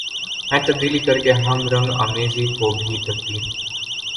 میں تبدیلی کر کے ہم رنگ آمیزی کو بھی تبدیل